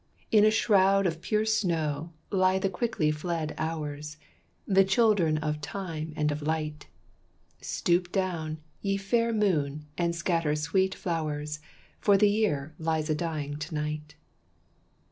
In a shroud of pure snow lie the quickly fled hours The children of Time and of Light; Stoop down, ye fair moon, and scatter sweet flowers, For the year lies a dying to night.